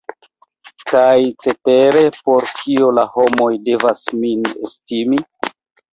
Kaj cetere por kio la homoj devas min estimi?